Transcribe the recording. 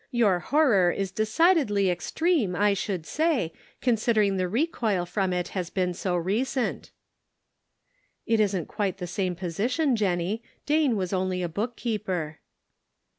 Your horror is decidedly extreme 440 The Pocket Measure. I should sa3% considering the recoil from it has been so recent." " It isn't quite the same position, Jennie. Dane was only a book keeper.